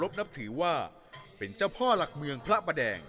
ไปชมกันครับ